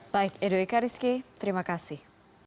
baik edoika rizky terima kasih